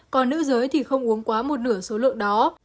còn nữ giới thì không uống quá một nửa số lượng đó